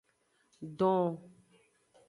Don.